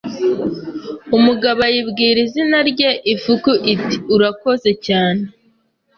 Umugabo ayibwira izina rye Ifuku iti urakoze cyane